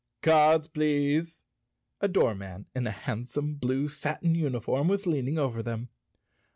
"Cards, please!" A doorman in a handsome blue satin uniform was leaning over them.